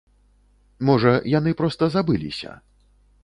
Можа, яны проста забыліся?